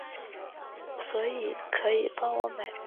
斜带圆沫蝉为尖胸沫蝉科圆沫蝉属下的一个种。